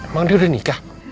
emang dia udah nikah